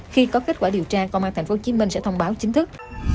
khi có kết quả điều tra công an tp hcm sẽ thông báo chính thức